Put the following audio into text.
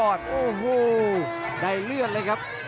โอ้โหได้เลือดเลยครับ